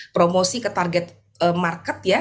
promosi ke target market ya